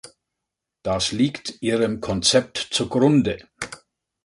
Das liegt Ihrem Konzept zugrunde.